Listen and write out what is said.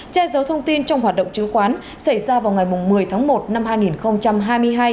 trai dấu thông tin trong hoạt động chứa khoán xảy ra vào ngày một mươi tháng một năm hai nghìn hai mươi hai